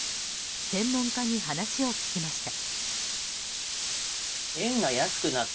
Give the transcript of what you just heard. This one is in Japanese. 専門家に話を聞きました。